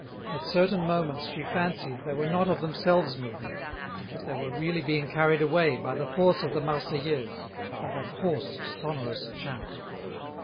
At certain moments she fancied they were not of themselves moving, that they were really being carried away by the force of the "Marseillaise," by that hoarse, sonorous chant.